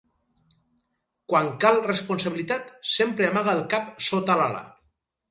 Quan cal responsabilitat, sempre amaga el cap sota l'ala.